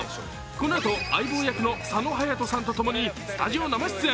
このあと相棒役の佐野勇斗さんとともにスタジオ生出演。